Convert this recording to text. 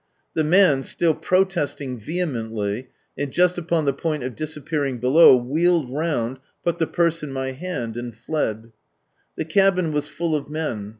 The man, still protesting vehemently, and just upon the point of disappearing below, wheeled round, put the purse in my hand, and Red. The cabin was full of men.